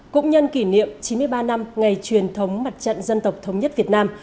cũng nhân kỷ niệm chín mươi ba năm ngày truyền thống mặt trận dân tộc thống nhất việt nam